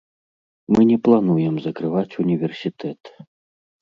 Мы не плануем закрываць універсітэт.